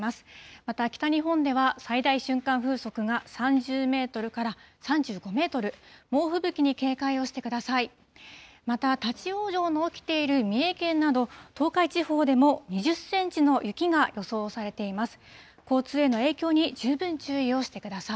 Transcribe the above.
また北日本では最大瞬間風速が３０メートルから３５メートル、猛吹雪に警戒をしてください。